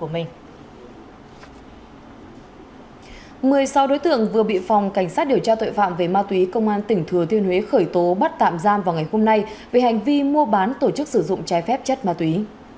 vào ngày một mươi sáu tháng một phòng cảnh sát điều tra tội phạm về ma túy công an tỉnh thừa thiên huế khởi tố bắt tạm giam vào ngày hôm nay về hành vi mua bán tổ chức sử dụng chai phép chất ma túy